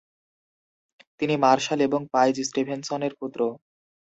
তিনি মার্শাল এবং পাইজ স্টিভেনসনের পুত্র।